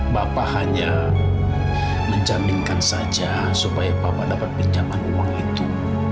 bapak hanya menjaminkan saja supaya bapak dapat pinjaman uang itu